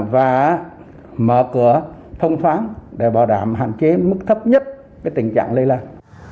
và mở cửa thông thoáng để bảo đảm hạn chế mức thấp nhất tình trạng lây lan